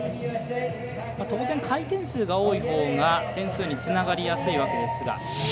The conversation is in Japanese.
当然、回転数が多いほうが点数につながりやすいわけですが。